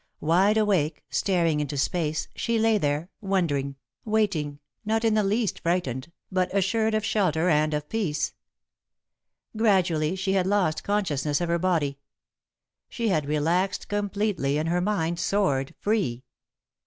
Wide awake, staring into space, she lay there, wondering, waiting, not in the least frightened, but assured of shelter and of peace. [Sidenote: Another Personality] Gradually she had lost consciousness of her body. She had relaxed completely and her mind soared, free.